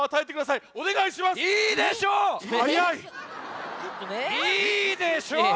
いいでしょう！